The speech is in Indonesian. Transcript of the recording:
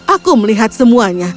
aku melihat semuanya